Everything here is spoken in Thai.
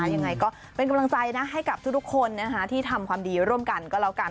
ยังไงก็เป็นกำลังใจนะให้กับทุกคนที่ทำความดีร่วมกันก็แล้วกัน